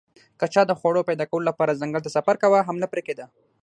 که چا د خوړو پیدا کولو لپاره ځنګل ته سفر کاوه حمله پرې کېده